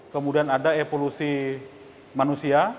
kemudian ada evolusi manusia